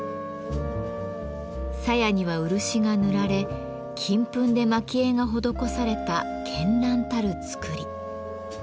鞘には漆が塗られ金粉で蒔絵が施された絢爛たる作り。